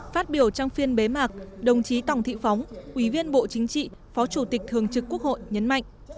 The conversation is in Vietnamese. phát biểu trong phiên bế mạc đồng chí tòng thị phóng ủy viên bộ chính trị phó chủ tịch thường trực quốc hội nhấn mạnh